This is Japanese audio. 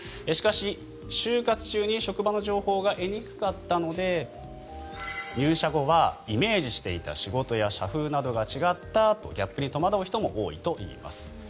しかし就活中に職場の情報が得にくかったので入社後はイメージしていた仕事や社風などが違ったとギャップに戸惑う人も多いといいます。